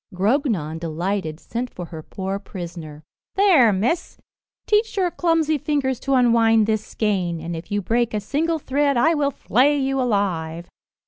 Grognon, delighted, sent for her poor prisoner. "There, miss, teach your clumsy fingers to unwind this skein, and if you break a single thread I will flay you alive.